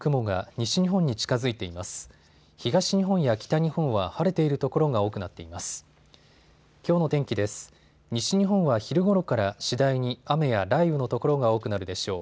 西日本は昼ごろから次第に雨や雷雨の所が多くなるでしょう。